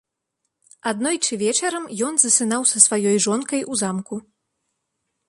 Аднойчы вечарам ён засынаў са сваёй жонкай у замку.